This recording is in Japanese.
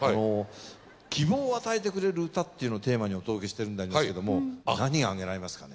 希望を与えてくれる歌っていうのをテーマにお届けしてるんでありますけれども何挙げられますかね？